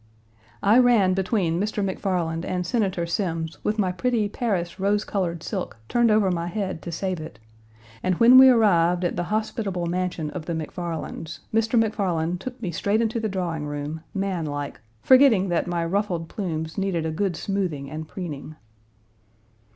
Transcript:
I ran between Mr. McFarland and Senator Semmes with my pretty Paris rose colored silk turned over my head to save it, and when we arrived at the hospitable mansion of the McFarlands, Mr. McFarland took me straight into the drawing room, man like, forgetting that my ruffled plumes needed a good smoothing and preening.